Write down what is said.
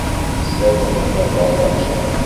Сәй янында бал яҡшы.